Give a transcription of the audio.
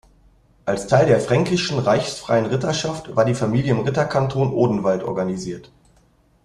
Als Teil der fränkischen reichsfreien Ritterschaft war die Familie im Ritterkanton Odenwald organisiert.